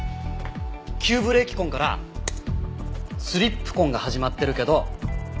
急ブレーキ痕からスリップ痕が始まってるけど。